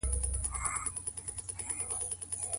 که د بېلابېلو شرونو تر منځ واقع سئ کوم غوره کوئ؟